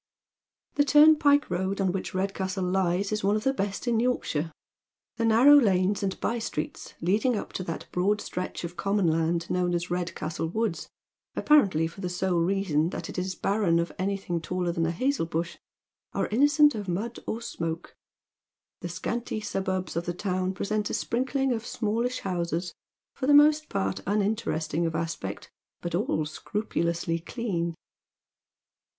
Tiie timi pike road on which Redcastle lies is one of the best in Yorkshire ; the naiTow lanes and by streets leading up to that broad stretch of common land known as Redcastle Woods, apparently for the sole reason that it is barren of anything taller than a hazel bush, are innocent of mud or smoke. The scanty suburbs of the town present a sprinkling of smallish houses, for the most part unin teresting of aspect, but all scrupulously clean.